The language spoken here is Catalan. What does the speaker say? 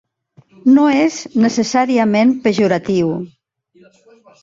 No és necessàriament pejoratiu.